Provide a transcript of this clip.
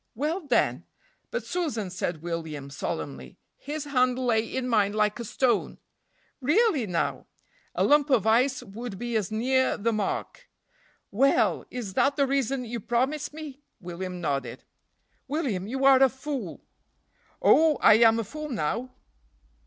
"Well, then " "But, Susan," said William, solemnly, "his hand lay in mine like a stone." "Really, now!" "A lump of ice would be as near the mark." "Well! is that the reason you promised me?" William nodded. "William, you are a fool." "Oh I am a fool now?"